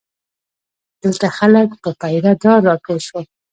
دلته خلک پر پیره دار راټول شول.